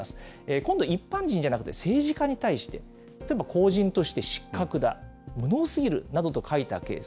今度、一般人じゃなくて政治家に対して、例えば公人として失格だ、無能すぎるなどと書いたケース。